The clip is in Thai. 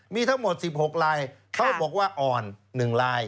มีทั้งหมด๑๖ลายเขาบอกว่าอ่อน๑ลาย